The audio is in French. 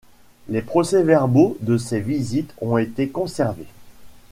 Les procès verbaux de ses visites ont été conservés.